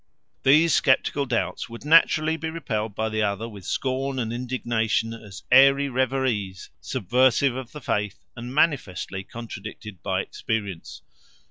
These sceptical doubts would naturally be repelled by the other with scorn and indignation as airy reveries subversive of the faith and manifestly contradicted by experience.